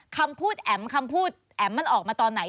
คำพูดแอ๋มคำพูดแอ๋มมันออกมาตอนไหน